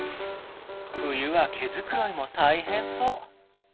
冬は毛繕いも大変そう。